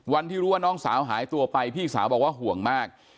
วันที่รู้ว่าน้องสาวหายตัวไปพี่สาวบอกว่าห่วงมาก